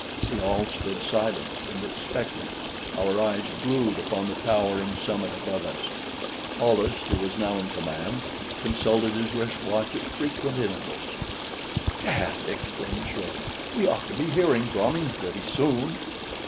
We all stood silent and expectant, our eyes glued upon the towering summit above us. Hollis, who was now in command, consulted his wrist watch at frequent intervals. "Gad," exclaimed Short, "we ought to be hearing from him pretty soon!"